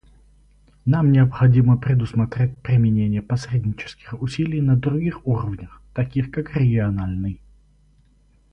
Нам необходимо предусмотреть применение посреднических усилий на других уровнях, таких как региональный.